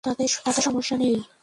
তাতে সমস্যা নেই।